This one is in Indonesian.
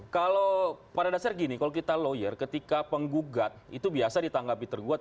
kalau pada dasar gini kalau kita lawyer ketika penggugat itu biasa ditanggapi tergugat